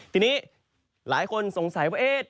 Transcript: ทีนี้หลายคนสงสัยว่าเอ๊ะ